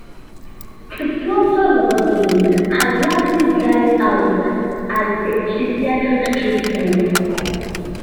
The frontal lobotomy has largely died out as a psychiatric treatment.